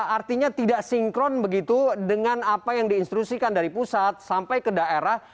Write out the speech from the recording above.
artinya tidak sinkron begitu dengan apa yang diinstrusikan dari pusat sampai ke daerah